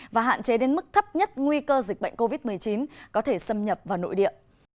và hạn chế đến mức thấp nhất nguy cơ dịch bệnh covid một mươi chín có thể xâm nhập vào nội địa